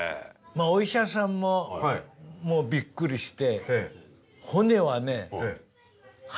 お医者さんももうびっくりしてえ